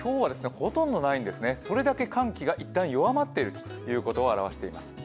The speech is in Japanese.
ほとんどないんですね、それだけ寒気がいったん弱まっているということを表しています。